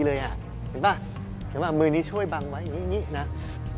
เห็นป่ะเดี๋ยวมาเอามือนี้ช่วยบังไว้อย่างนี้อย่างนี้นะ